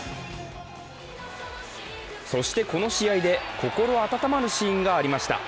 そしてこの試合で心温まるシーンがありました。